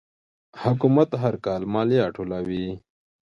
حکومت هر کال مالیه ټولوي.